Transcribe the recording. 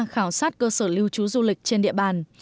khảo sát cơ sở lưu trú du lịch trên địa bàn